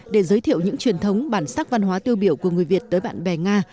để giới thiệu những truyền thống bản sắc văn hóa tiêu biểu của người việt tới bạn bè nga